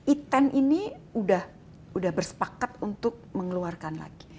i ten ini sudah bersepakat untuk mengeluarkan lagi